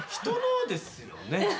人のですよね？